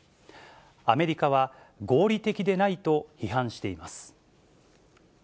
アメリカは合理的でないと批判しています。